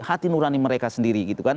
hati nurani mereka sendiri